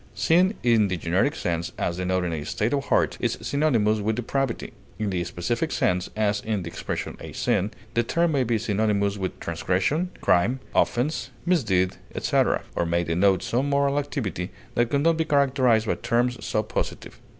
Sin in the generic sense, as denoting a state of heart, is synonymous with depravity; in the specific sense, as in the expression a sin, the term may be synonymous with transgression, crime, offense, misdeed, etc., or may denote some moral activity that could not be characterized by terms so positive.